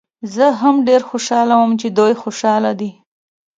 زه هم ډېر خوشحاله وم چې دوی خوشحاله دي.